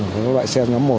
các loại xe nhóm một